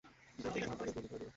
যেতে দে নাহলে গুলি করে দিবো।